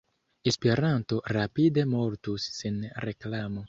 Esperanto rapide mortus sen reklamo.